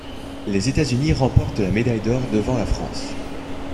Les États-Unis remportent la médaille d'or devant la France.